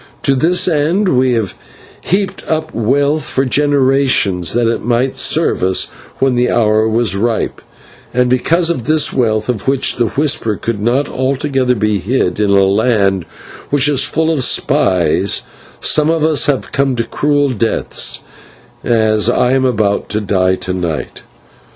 To this end we have heaped up wealth for generations, that it might serve us when the hour was ripe; and because of this wealth, of which the whisper could not altogether be hid in a land which is full of spies, some of us have come to cruel deaths, as I am about to do to night.